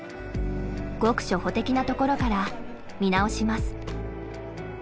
ごく初歩的なところから見直します。